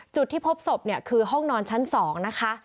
จุดที่พบศพเนี่ยคือห้องนอนชั้น๒นะคะ